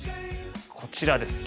こちらです。